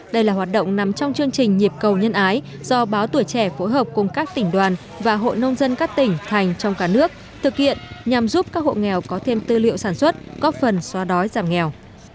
đây là hoạt động nằm trong chương trình nhịp cầu nhân ái do báo tuổi trẻ phối hợp cùng các tỉnh đoàn và hội nông dân các tỉnh thành trong cả nước thực hiện nhằm giúp các hộ nghèo có thêm tư liệu sản xuất góp phần xóa đói giảm nghèo